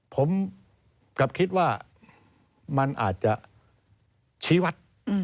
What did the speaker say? ผมกลับคิดว่ามันอาจจะชี้วัด